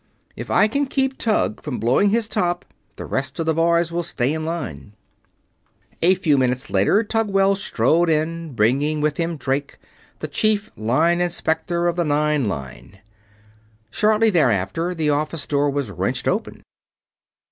If I can keep Tug from blowing his top, the rest of the boys will stay in line." A few minutes later Tugwell strode in, bringing with him Drake, the Chief Line Inspector of the Nine Line. Shortly thereafter the office door was wrenched open.